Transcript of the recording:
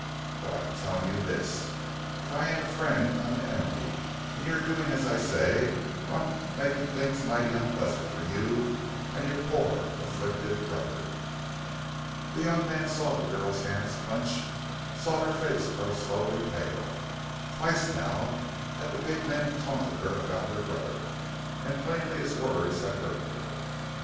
But I'm telling you this: If I ain't a friend I'm an enemy, and you're doing as I say or I'm making things mighty unpleasant for you and your poor, 'afflicted' brother!" The young man saw the girl's hands clench, saw her face grow slowly pale. Twice now had the big man taunted her about her brother, and plainly his words had hurt her.